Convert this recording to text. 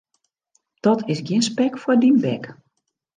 Dat is gjin spek foar dyn bek.